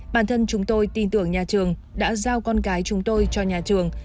bản thân chúng tôi tin tưởng nhà trường đã giao con cái chúng tôi cho nhà trường